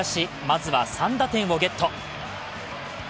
まずは３打点をゲット。